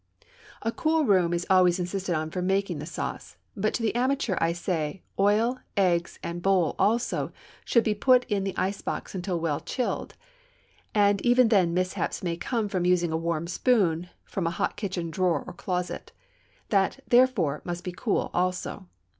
A cool room is always insisted on for making the sauce, but to the amateur I say, oil, eggs, and bowl also, should be put in the ice box until well chilled, and even then mishaps may come from using a warm spoon from a hot kitchen drawer or closet; that, therefore, must be cool also.